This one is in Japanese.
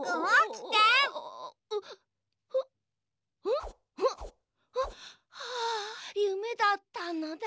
ん？はあゆめだったのだ。